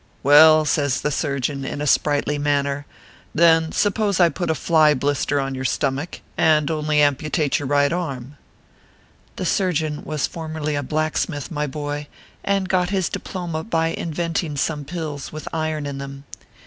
" Well," says the surgeon, in a sprightly manner, " then suppose I put a fly blister on your stomick, and only amputate your right arm ?" The surgeon was formerly a blacksmith, my boy, ORPHEUS C. KERR PAPERS. and got his diploma by inventing some pills with iron in them.